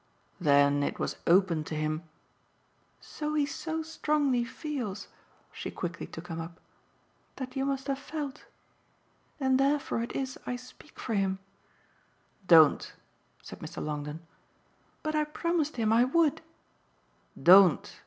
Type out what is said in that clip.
"Then it was open to him " "So he so strongly feels" she quickly took him up "that you must have felt. And therefore it is I speak for him." "Don't!" said Mr. Longdon. "But I promised him I would." "Don't!"